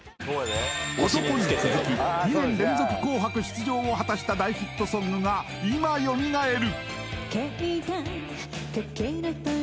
「男」に続き２年連続紅白出場を果たした大ヒットソングが今よみがえる！